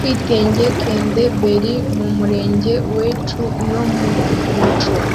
kwitenge kendi biri mu murege wecu no mu muc